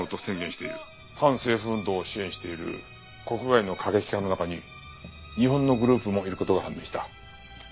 反政府運動を支援している国外の過激派の中に日本のグループもいる事が判明した。